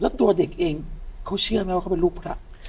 แล้วตัวเด็กเองเขาเชื่อไหมว่าเขาเป็นลูกพระ